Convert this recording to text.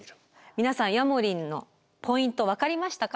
皆さんヤモリンのポイント分かりましたか？